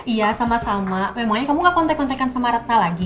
iya sama sama memangnya kamu gak kontek kontekan sama retta lagi